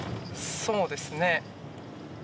そうですね。